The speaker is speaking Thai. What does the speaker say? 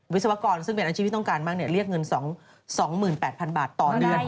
วิศวกรซึ่งเป็นอาชีพที่ต้องการมากเรียกเงิน๒๘๐๐๐บาทต่อเดือน